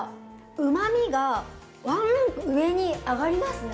うまみがワンランク上に上がりますね。